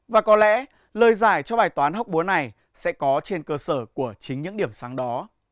và có lẽ lời giải cho bài toán hóc búa này sẽ có trên cơ sở của chính những điểm sáng đó